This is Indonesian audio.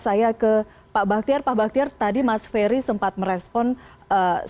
saya ke pak baktiar pak baktiar tadi mas ferry sempat meresponsor